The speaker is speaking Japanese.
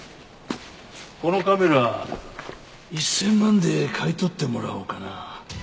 このカメラ１０００万で買い取ってもらおうかな。